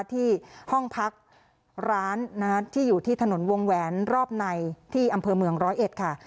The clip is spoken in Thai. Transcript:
ที่ห้องพักร้านที่อยู่ที่ถนนวงแหวนรอบในที่อำเภอเมืองร้อยเอ็ดค่ะ